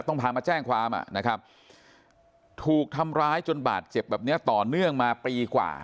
พามาแจ้งความนะครับถูกทำร้ายจนบาดเจ็บแบบเนี้ยต่อเนื่องมาปีกว่า